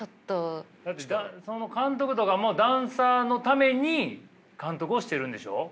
だってその監督とかもダンサーのために監督をしてるんでしょう？